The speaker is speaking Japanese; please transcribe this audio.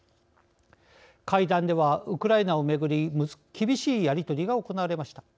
会談ではウクライナをめぐり厳しいやり取りが行われました。